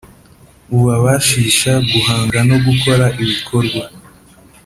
bubabashisha guhanga no gukora ibikorwa